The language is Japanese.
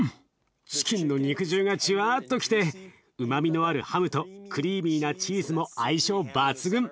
チキンの肉汁がじゅわっときてうまみのあるハムとクリーミーなチーズも相性抜群。